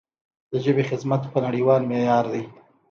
د ژبې خدمت په نړیوال معیار دی.